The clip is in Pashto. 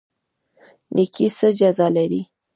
نیکي څه جزا لري؟